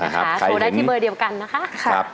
ขายเห็นโทรได้ที่เมอร์เดียวกันนะคะค่ะ